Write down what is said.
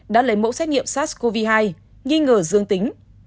đã lấy mẫu xét nghiệm sars cov hai nghi ngờ dương tính